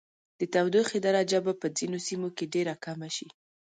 د تودوخې درجه به په ځینو سیمو کې ډیره کمه شي.